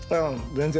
全然。